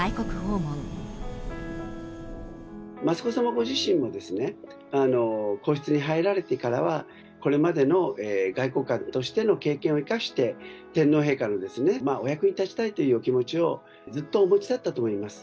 ご自身もですね、皇室に入られてからは、これまでの外交官としての経験を生かして、天皇陛下のお役に立ちたいというお気持ちを、ずっとお持ちだったと思います。